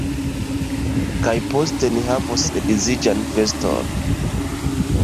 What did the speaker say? Kaj poste ni havos edziĝan feston!